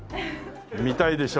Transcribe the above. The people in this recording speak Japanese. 見たいでしょ？